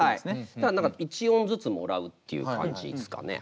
そしたら何か１音ずつもらうっていう感じですかね。